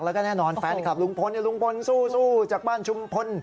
แล้วก็แน่นอนแฟนคลับลุงพลลุงพลสู้จากบ้านชุมพล